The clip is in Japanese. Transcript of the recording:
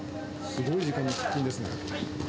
すごい時間に出勤ですね。